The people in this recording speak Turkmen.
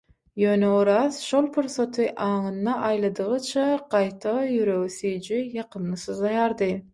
ýöne Oraz şol pursaty aňynda aýladygyça, gaýta, ýüregi süýji, ýakymly syzlaýardy.